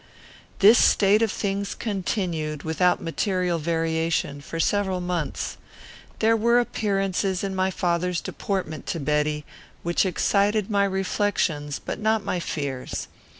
This state of things continued, without material variation, for several months. There were appearances in my father's deportment to Betty, which excited my reflections, but not my fears.